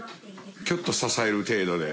きゅっと支える程度で。